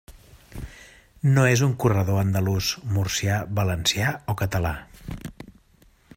No és un corredor andalús, murcià, valencià o català.